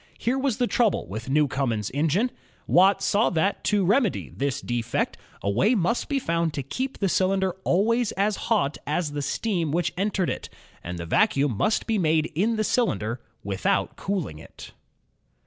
Here was the trouble with New comen's engine. Watt saw that, to remedy this defect, a way must be found to keep the cylinder always as hot as the steam which entered it, and the vacuum must be made in the cylinder, without cooling it.